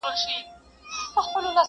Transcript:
له امیده یې د زړه خونه خالي سوه،